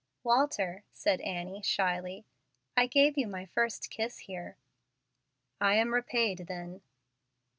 "Walter," said Annie, shyly, "I gave you my first kiss here." "I am repaid then."